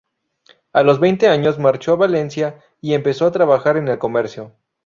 A los veinte años marchó a Valencia y empezó a trabajar en el comercio.